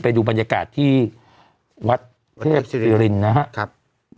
ไปดูบรรยากาศที่วัดเทพศิรินนะครับ